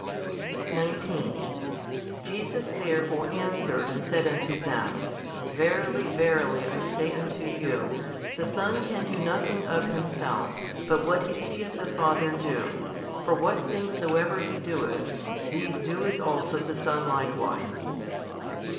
19 Jesus therefore answered and said unto them, Verily verily I say unto you, the Son can do nothing of Himself, but what He seeth the Father do: for what things soever He doeth, these doeth also the Son likewise.